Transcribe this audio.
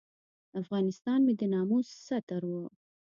افغانستان مې د ناموس ستر و.